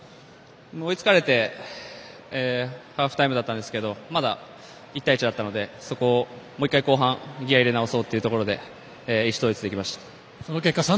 追いつかれてハーフタイムだったんですけどまだ１対１だったのでそこをもう一回後半ギア入れ直そうと意思統一できました。